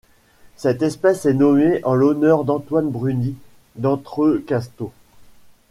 Cette espèce est nommée en l'honneur d'Antoine Bruny d'Entrecasteaux.